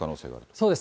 そうです。